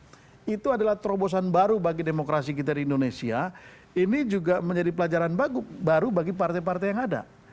karena itu adalah terobosan baru bagi demokrasi kita di indonesia ini juga menjadi pelajaran baru bagi partai partai yang ada